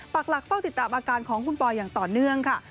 ปากหลักเฝ้าติดตามอาการของคุณปอยอย่างต่อเนื่องค่ะ